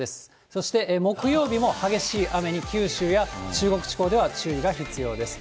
そして木曜日も激しい雨に九州や中国地方では注意が必要です。